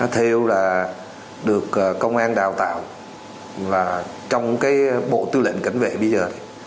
thêu là được công an đào tạo trong bộ tư lệnh cảnh vệ bây giờ